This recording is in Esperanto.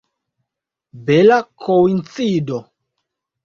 Bela koincido!